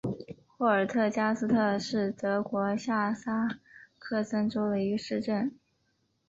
霍尔特加斯特是德国下萨克森州的一个市镇。